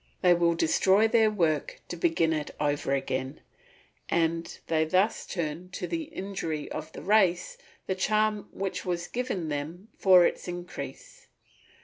They will destroy their work to begin it over again, and they thus turn to the injury of the race the charm which was given them for its increase.